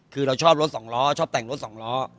คือเราชอบรถสองล้อชอบแต่งรถสองล้อ